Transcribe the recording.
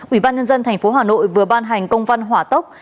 ubnd tp hà nội vừa ban hành công văn hỏa tốc